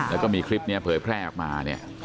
แล้วก็มีคลิปนี้เผยแพร่ออกมาเนี่ย